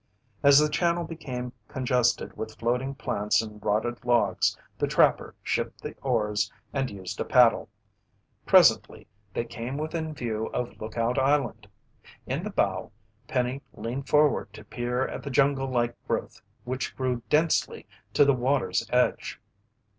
As the channel became congested with floating plants and rotted logs, the trapper shipped the oars and used a paddle. Presently they came within view of Lookout Island. In the bow, Penny leaned forward to peer at the jungle like growth which grew densely to the water's edge.